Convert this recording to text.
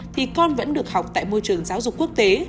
thì con vẫn được học tại môi trường giáo dục quốc tế